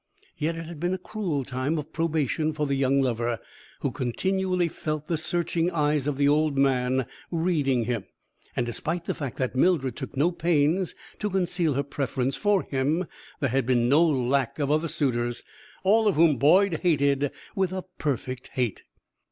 Yet it had been a cruel time of probation for the young lover, who continually felt the searching eyes of the old man reading him; and despite the fact that Mildred took no pains to conceal her preference for him, there had been no lack of other suitors, all of whom Boyd hated with a perfect hate.